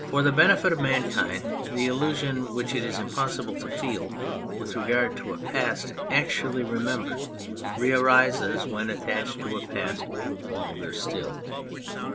For the benefit of mankind, the illusion which it is impossible to feel with regard to a past actually remembered re arises when attached to a past longer still.